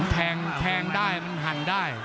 แทงได้หั่งได้